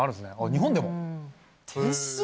日本でも？